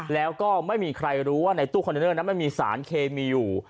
แล้วก็ไม่มีใครรู้ว่าในตู้คอนเทนเนอร์นั้นมันมีสารเคมีอยู่